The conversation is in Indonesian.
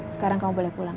sekarang kamu boleh pulang